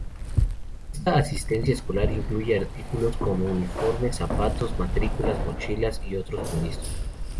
Esta asistencia escolar incluye artículos como uniformes, zapatos, matrículas, mochilas y otros suministros.